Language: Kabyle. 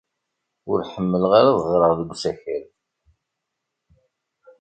Ur ḥemmleɣ ara ad ɣreɣ deg usakal.